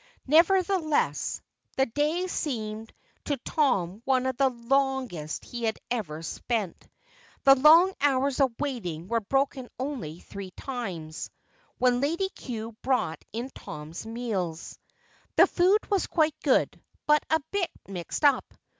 Nevertheless, the day seemed to Tom one of the longest he had ever spent. The long hours of waiting were broken only three times when Lady Cue brought in Tom's meals. The food was quite good, but a bit mixed up.